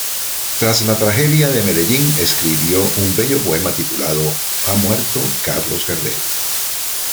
Tras la tragedia de Medellín, escribió un bello poema titulado "¡Ha muerto Carlos Gardel!